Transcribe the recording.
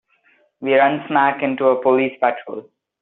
We run smack into a police patrol.